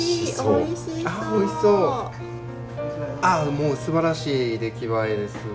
もうすばらしい出来栄えです。